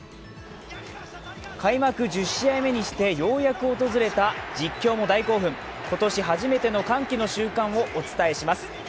開幕１０試合目にしてようやく訪れた、実況も大興奮、今年初めての歓喜の瞬間をお伝えします。